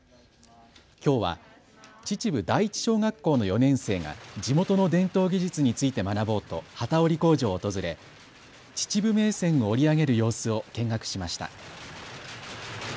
きょうは秩父第一小学校の４年生が地元の伝統技術について学ぼうと機織り工場を訪れ秩父銘仙を織り上げる様子を見学しました。